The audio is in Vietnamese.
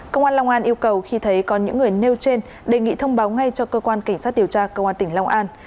công an long an yêu cầu khi thấy có những người nêu trên đề nghị thông báo ngay cho cơ quan cảnh sát điều tra công an tỉnh long an